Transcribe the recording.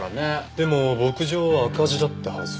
でも牧場は赤字だったはず。